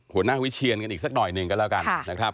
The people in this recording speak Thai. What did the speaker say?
หัวหน้าวิเชียนกันซักหน่อยนึงกันแล้วกัน